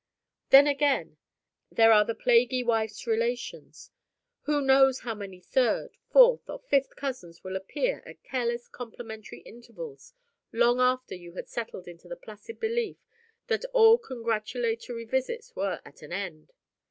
Then, again, there are the plaguy wife's relations. Who knows how many third, fourth, or fifth cousins will appear at careless complimentary intervals long after you had settled into the placid belief that all congratulatory visits were at an end?